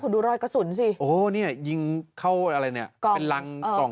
ดูลอยตะสุนสิโอ้โหเอออ๋นี่ยิงเข้าอะไรเป็นรังกล่อง